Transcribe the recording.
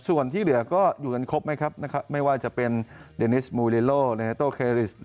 ส่วนที่เหลือก็อยู่กันครบไหมครับไม่ว่าจะเป็นเดนิสมูเดโลเนโตเคริส